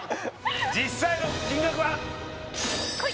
実際の金額は？